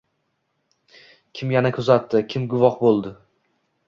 Kim yana kuzatdi, kim guvoh bo’ldi?